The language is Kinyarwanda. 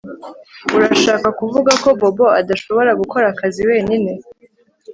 Urashaka kuvuga ko Bobo adashobora gukora akazi wenyine